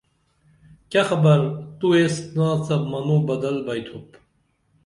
کیہ خبر تو ایس ناڅپ منوں بدل بئتُھوپ